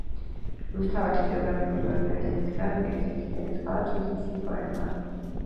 რუსთაველის ბიოგრაფიული მონაცემების დასადგენად ერთ-ერთი ძირითადი წყარო თვით მისი პოემაა.